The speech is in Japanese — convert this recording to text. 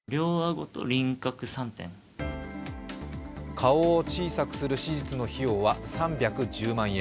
顔を小さくする手術の費用は３１０万円。